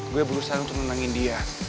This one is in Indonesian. gue berusaha untuk menenangin dia